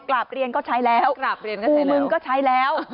กลับเรียนก็ใช้แล้วคุณมึงก็ใช้แล้ว